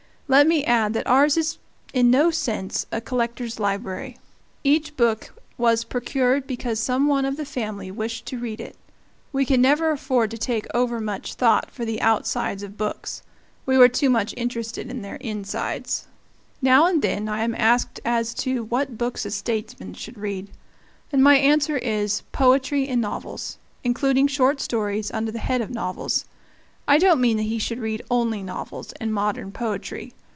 Let me add that ours is in no sense a collector's library. Each book was procured because some one of the family wished to read it. We could never afford to take overmuch thought for the outsides of books; we were too much interested in their insides. Now and then I am asked as to "what books a statesman should read," and my answer is, poetry and novels including short stories under the head of novels. I don't mean that he should read only novels and modern poetry.